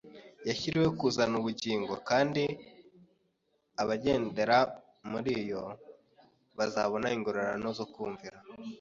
Yashyiriweho kuzana ubugingo; kandi abagendera muri yo bazabona ingororano zo kumvira.